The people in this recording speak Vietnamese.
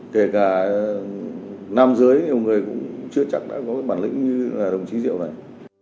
kể cả nam dưới nhiều người cũng chưa chắc đã có cái bản lĩnh như đồng chí diệu này